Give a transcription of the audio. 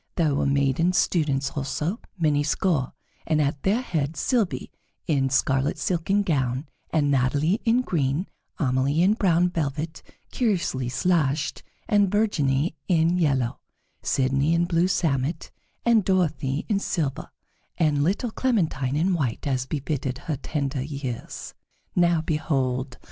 There were maiden students also, many score, and at their head Sylvie, in scarlet silken gown, and Natalie in green; Amelie in brown velvet, curiously slashed, and Virginie in yellow; Sidonie in blue samite, and Dorothée in silver, and little Clementine in white, as befitted her tender years. Now behold!